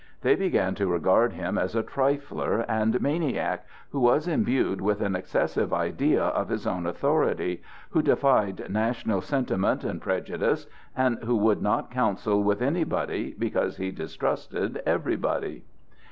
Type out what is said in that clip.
They began to regard him as a trifler and maniac, who was imbued with an excessive idea of his own authority, who defied national sentiment and prejudice, and who would not counsel with anybody because he distrusted everybody.